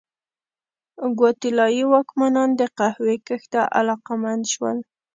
ګواتیلايي واکمنان د قهوې کښت ته علاقمند شول.